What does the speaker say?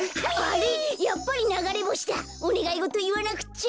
おねがいごといわなくっちゃ。